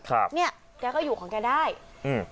ครับเนี้ยแกก็อยู่ของแกได้อืม